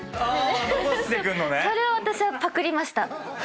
それを私はパクりました。